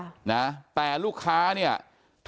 อยู่ดีมาตายแบบเปลือยคาห้องน้ำได้ยังไง